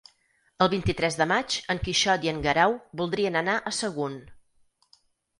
El vint-i-tres de maig en Quixot i en Guerau voldrien anar a Sagunt.